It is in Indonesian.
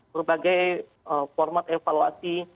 berbagai format evaluasi